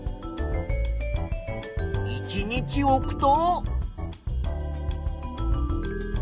１日おくと。